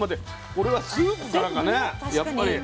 これはスープからかねやっぱり。